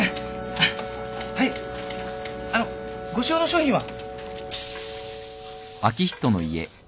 あっはいあのご使用の商品は。